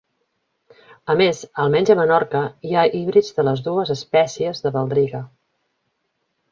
A més almenys a Menorca hi ha híbrids de les dues espècies de baldriga.